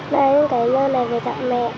lấy cái nơ này về tặng mẹ